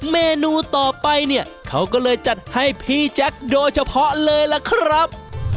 เมนูต่อไปเนี่ยเขาก็เลยจัดให้พี่แจ๊คโดยเฉพาะเลยล่ะครับ